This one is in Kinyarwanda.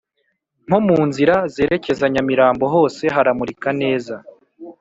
Nkomunzira zerekeza nyamirambo hose haramurika neza